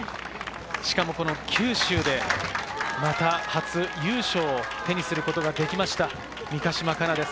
しかも九州で、初優勝を手にすることができました、三ヶ島かなです。